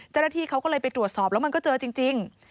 เจ้าหน้าที่เขาก็เลยไปตรวจสอบแล้วมันก็เจอจริง